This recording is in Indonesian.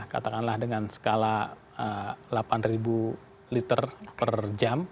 katakanlah dengan skala delapan ribu liter per jam